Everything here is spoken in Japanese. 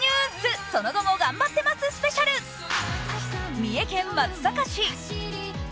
三重県松阪市。